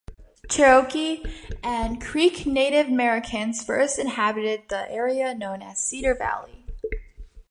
Cherokee and Creek Native Americans first inhabited the area known as Cedar Valley.